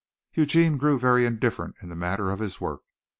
Eugene grew very indifferent in the matter of his work.